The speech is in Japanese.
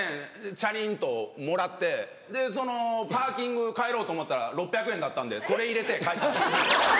チャリンともらってパーキング帰ろうと思ったら６００円だったんでそれ入れて帰ったんです。